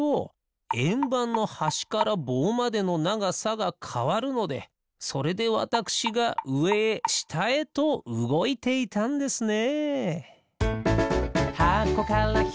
えんばんのはしからぼうまでのながさがかわるのでそれでわたくしがうえへしたへとうごいていたんですね。